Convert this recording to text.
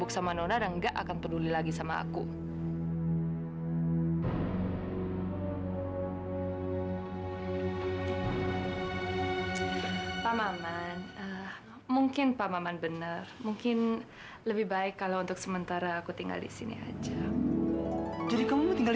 sampai jumpa di video selanjutnya